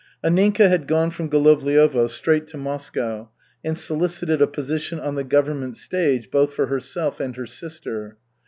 Anninka had gone from Golovliovo straight to Moscow, and solicited a position on the government stage both for herself and her sister.